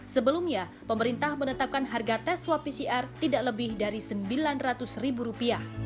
sebelumnya pemerintah menetapkan harga tes swab pcr tidak lebih dari rp sembilan ratus